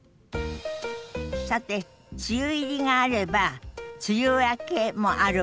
さて梅雨入りがあれば梅雨明けもあるわね。